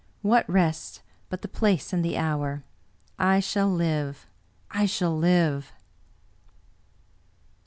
What rests, but the place and the hour? — I shall live, I shall live!"